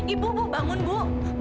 ibu bangun bu